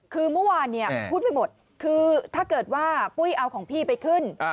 คือเมื่อวานเนี่ยพูดไม่หมดคือถ้าเกิดว่าปุ้ยเอาของพี่ไปขึ้น